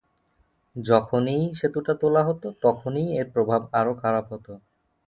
যখনই সেতুটা তোলা হতো, তখনই এর প্রভাব আরও খারাপ হতো।